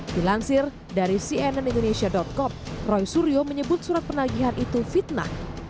dilansir dari cnn indonesia com roy suryo menyebut surat penagihan itu fitnah